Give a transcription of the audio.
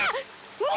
うわ！